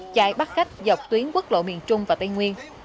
chạy bắt khách dọc tuyến quốc lộ miền trung và tây nguyên